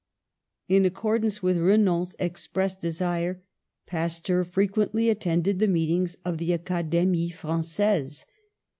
In accordance with Renan's expressed desire, Pasteur frequently attended the meetings of the Academie Frangaise.